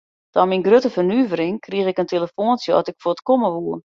Ta myn grutte fernuvering krige ik in telefoantsje oft ik fuort komme woe.